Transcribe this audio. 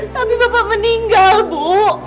tapi bapak meninggal bu